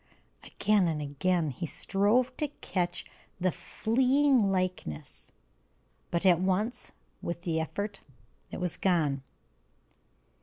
Again and again he strove to catch the fleeing likeness, but at once, with the effort, it was gone.